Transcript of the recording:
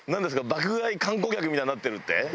爆買い観光客みたいになってるって？